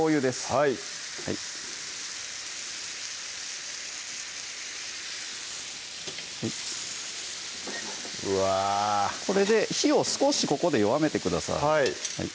はいこれで火を少しここで弱めてください